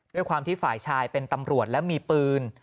ด้วยความที่ฝ่ายชายเป็นตำรวจและมีปืน